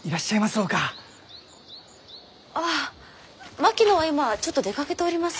あ槙野は今ちょっと出かけておりますが。